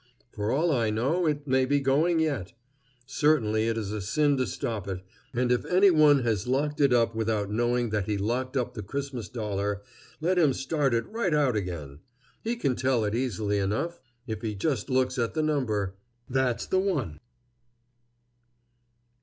For all I know, it may be going yet. Certainly it is a sin to stop it, and if any one has locked it up without knowing that he locked up the Christmas dollar, let him start it right out again. He can tell it easily enough. If he just looks at the number, that's the one.